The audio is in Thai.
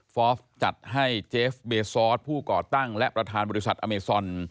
อฟจัดให้เจฟเบซอสผู้ก่อตั้งและประธานบริษัทอเมซอน